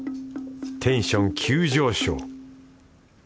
テンション急上昇。